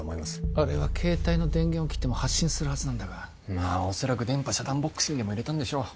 あれは携帯の電源を切っても発信するはずなんだがまあ恐らく電波遮断ボックスにでも入れたんでしょう